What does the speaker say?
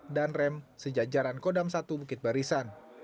dan rem sejajaran kodam satu bukit barisan